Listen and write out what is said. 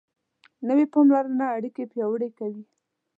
نوې پاملرنه اړیکې پیاوړې کوي